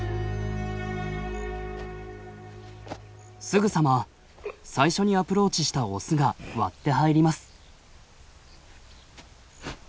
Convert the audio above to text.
すぐさま最初にアプローチしたオスが割って入ります。